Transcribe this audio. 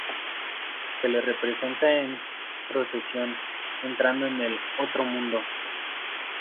Se les representa en procesión, entrando en el "otro mundo".